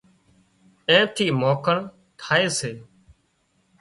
اين ٿِي مانکڻ ٿائي سي